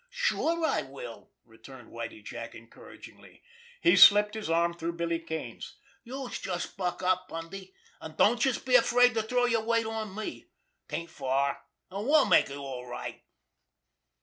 "Sure, I will!" returned Whitie Jack encouragingly. He slipped his arm through Billy Kane's. "Youse just buck up, Bundy! An' don't youse be afraid to throw yer weight on me. 'Taint far, an' we'll make it all right."